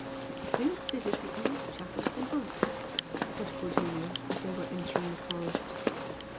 "We must visit the old chapel of the monks!" said Cordelia, as they were entering the forest.